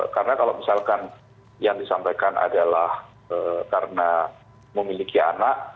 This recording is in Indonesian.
karena kalau misalkan yang disampaikan adalah karena memiliki anak